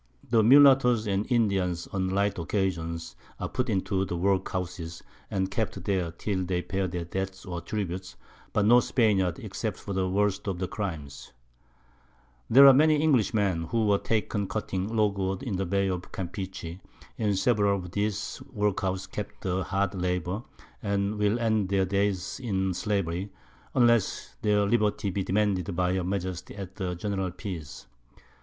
_] The Mullattoes and Indians, on light Occasions, are put into the Workhouses, and kept there, till they pay their Debts or Tribute; but no Spaniards, except for the worst of Crimes: There are many Englishmen, who were taken cutting Logwood in the Bay of Campeche, in several of these Workhouses, kept at hard Labour, and will end their Days in Slavery, unless their Liberty be demanded by her Majesty at the general Peace.